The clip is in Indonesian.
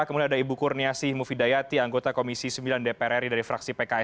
kemudian ada ibu kurniasi mufidayati anggota komisi sembilan dprri dari fraksi pks